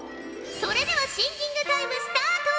それではシンキングタイムスタート！